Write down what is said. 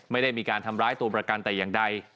ไม่ได้มีการทำร้ายตัวประกันแต่อย่างใด